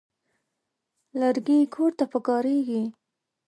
لرګي کور ته کارېږي.